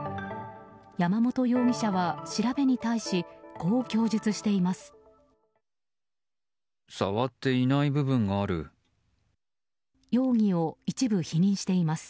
山本容疑者は調べに対しこう供述しています。